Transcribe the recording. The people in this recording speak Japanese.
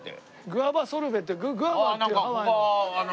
グァバソルベってグァバっていうハワイの。